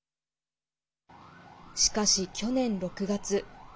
しかし、去年６月。